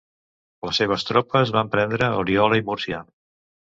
Les seves tropes van prendre Oriola i Múrcia.